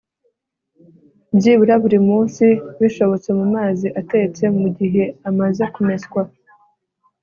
byibura buri munsi bishobotse mu mazi atetse. mu gihe amaze kumeswa